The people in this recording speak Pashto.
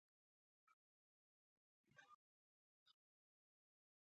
چې څنګه مې سترګې راسپینې شوې وې.